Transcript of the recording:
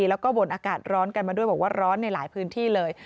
แล้วก็บ่นอากาศร้อนกันมาด้วยบอกว่าร้อนในหลายพื้นที่เลย